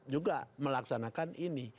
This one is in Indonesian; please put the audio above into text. juga melaksanakan ini